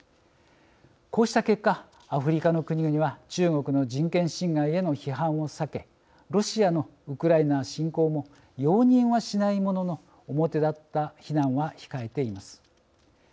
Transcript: こうした結果アフリカの国々は中国の人権侵害への批判を避けロシアのウクライナ侵攻も容認はしないものの表立った非難は控えています。